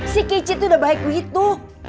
si kicit udah baik gitu